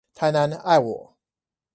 台南愛我